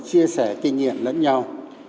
chia sẻ kinh nghiệm lẫn nhau